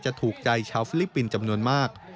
ถูกใจชาวฟิลิปปินส์จำนวนมาก